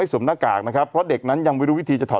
สวมหน้ากากนะครับเพราะเด็กนั้นยังไม่รู้วิธีจะถอด